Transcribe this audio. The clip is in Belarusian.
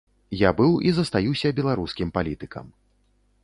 Я быў і застаюся беларускім палітыкам.